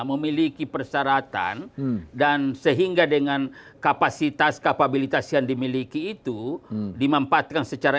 memiliki persyaratan dan sehingga dengan kapasitas kapabilitas yang dimiliki itu dimampatkan secara